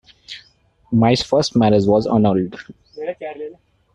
Mai's first marriage was annulled.